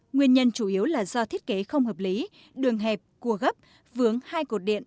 nguyên nhân chủ yếu là do thiết kế không hợp lý đường hẹp cua gấp vướng hai cột điện